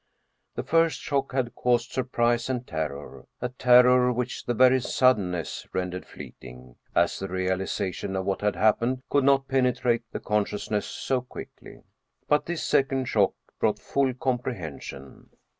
The first shock had caused surprise and terror a terror which the very suddenness rendered fleeting, as the realiza tion of what had happened could not penetrate the con sciousness so quickly. But this second shock brought full comprehension.